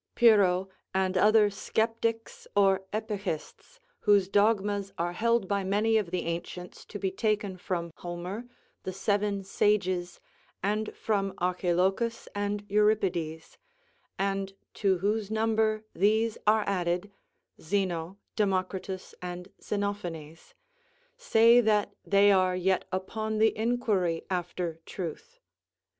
Pyrrho, and other skeptics or epechists, whose dogmas are held by many of the ancients to be taken from Homer, the seven sages, and from Archilochus and Euripides, and to whose number these are added, Zeno, Democritus, and Xenophanes, say that they are yet upon the inquiry after truth.